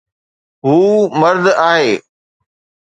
هو مرد آهي